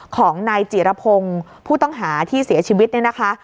ของนายจิรพงศ์ผู้ต้องหาที่เสียชีวิตเนี่ยนะคะ